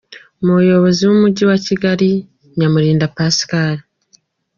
Umuyobozi w’umujyi wa Kigal, Nyamurinda Pascal.